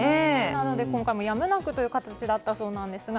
なので、今回もやむなくという形だったそうですが。